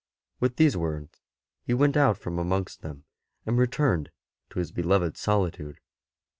With these words he went out from amongst them, and returned to his beloved solitude.